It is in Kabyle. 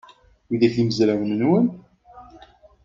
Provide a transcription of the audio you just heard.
Widak d imezrawen-nwen?